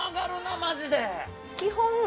マジで。